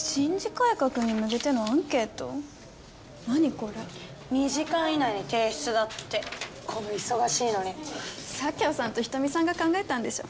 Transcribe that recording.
これ２時間以内に提出だってこの忙しいのに佐京さんと人見さんが考えたんでしょ